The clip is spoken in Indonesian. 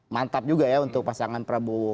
mantap juga ya untuk pasangan prabowo